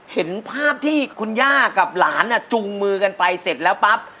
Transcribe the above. เห็นภาพที่คุณย่ากับหลานจุงมือกันไปเสร็จแล้วปั๊บ